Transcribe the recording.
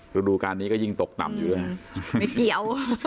ศูนย์ดูการนี้ก็ยิ่งตกต่ำอยู่ด้วย